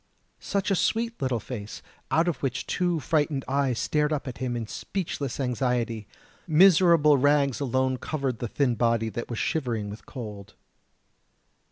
Such a sweet little face, out of which two frightened eyes stared up at him in speechless anxiety. Miserable rags alone covered the thin body that was shivering with cold.